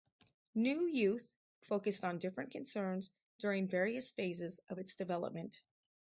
"New Youth" focused on different concerns during various phases of its development.